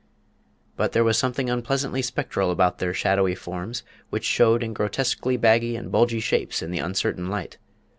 But there was something unpleasantly spectral about their shadowy forms, which showed in grotesquely baggy and bulgy shapes in the uncertain light.